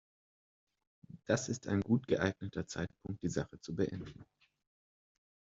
Das ist ein gut geeigneter Zeitpunkt, die Sache zu beenden.